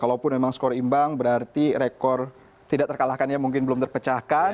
kalaupun memang skor imbang berarti rekor tidak terkalahkan ya mungkin belum terpecahkan